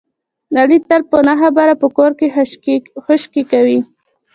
علي تل په نه خبره په کور کې خشکې کوي.